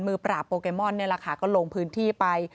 ปราบโปเกมอนนี่แหละค่ะก็ลงพื้นที่ไป